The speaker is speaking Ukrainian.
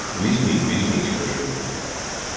— Візьміть, візьміть, — каже він.